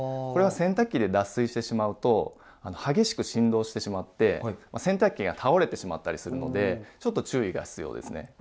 これは洗濯機で脱水してしまうと激しく振動してしまって洗濯機が倒れてしまったりするのでちょっと注意が必要ですね。